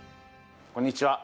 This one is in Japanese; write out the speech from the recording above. こんにちは。